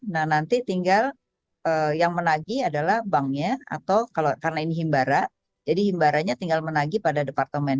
nah nanti tinggal yang menagi adalah banknya atau kalau karena ini himbara jadi himbaranya tinggal menagi pada departemen